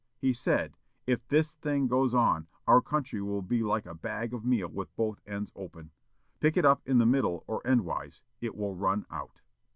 He said, "If this thing goes on, our country will be like a bag of meal with both ends open. Pick it up in the middle or endwise, it will run out."